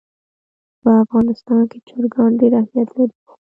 په افغانستان کې چرګان ډېر اهمیت لري.